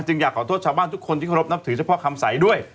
อยากขอโทษชาวบ้านทุกคนที่เคารพนับถือเฉพาะคำใสด้วย